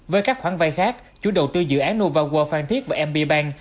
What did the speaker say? với các khoản vay khác chủ đầu tư dự án nova world phan thiết và mb bank